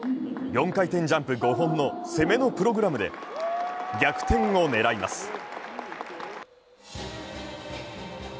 ４回転ジャンプ５本の攻めのプログラムで逆転を狙います。